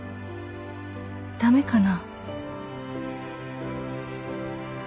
「駄目かな」